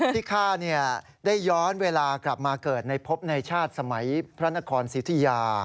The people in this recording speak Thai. ข้าได้ย้อนเวลากลับมาเกิดในพบในชาติสมัยพระนครสิทธิยา